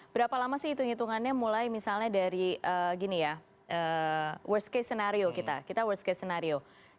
berapa lama sih hitung hitungannya mulai misalnya dari worst case scenario kita